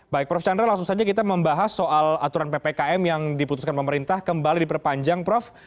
baik prof chandra langsung saja kita membahas soal aturan ppkm yang diputuskan pemerintah kembali diperpanjang prof